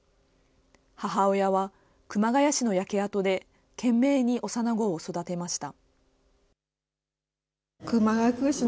母親は熊谷市の焼け跡で、懸命に幼子を育てました。